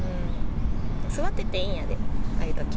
座ってていいんやで、ああいうとき。